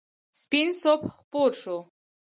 سپین صبح خپور شو.